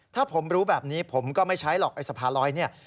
ถ้าผมรู้แบบนี้ผมก็ไม่ใช้หรอกไอ้สะพานลอยเนี่ย